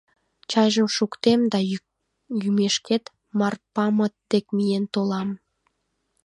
Чайым шуктем да, йӱмешкет, Марпамыт дек миен толам.